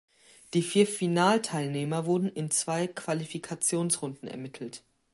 Die vier Finalteilnehmer wurden in zwei Qualifikationsrunden ermittelt.